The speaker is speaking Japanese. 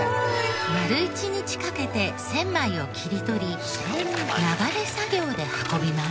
丸一日かけて１０００枚を切り取り流れ作業で運びます。